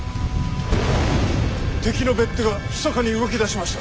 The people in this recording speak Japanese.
敵の別手がひそかに動き出しました。